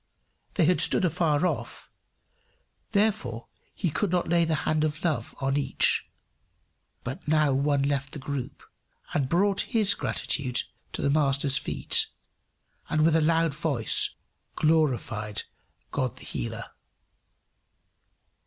They had stood afar off, therefore he could not lay the hand of love on each. But now one left the group and brought his gratitude to the Master's feet, and with a loud voice glorified God the Healer.